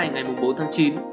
ngày bốn tháng chín